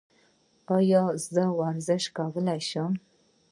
ایا زه ورزش کولی شم؟